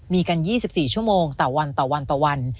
มีกัน๒๔ชั่วโมงต่อวันต่อวัน